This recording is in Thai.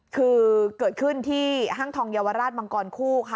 คือเกิดขึ้นที่ห้างทองเยาวราชมังกรคู่ค่ะ